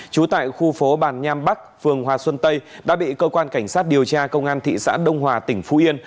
trú tại khu phố bàn nham bắc phường hòa xuân tây đã bị cơ quan cảnh sát điều tra công an thị xã đông hòa tỉnh phú yên